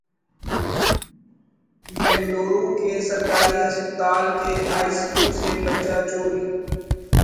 بنگلورو کے سرکاری اسپتال کے آئی سی یو سے بچہ چوری